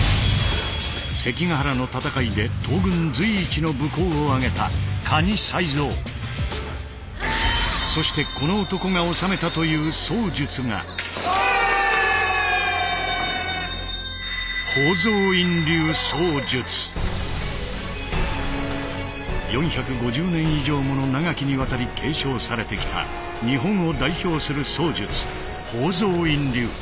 関ヶ原の戦いで東軍随一の武功を挙げたそして４５０年以上もの長きにわたり継承されてきた日本を代表する槍術宝蔵院流。